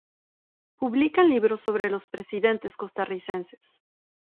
Publican libro sobre los presidentes costarricenses